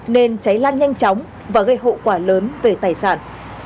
nên cháy lan nhanh chóng và gây hậu quả lớn về tài sản